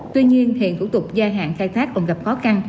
tuy nhiên hiện thủ tục gia hạn khai thác còn gặp khó khăn